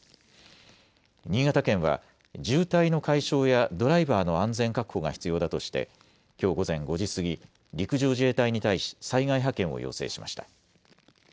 新潟県は渋滞の解消やドライバーの安全確保が必要だとして、きょう午前５時過ぎ陸上自衛隊に対し災害派遣を要請しました。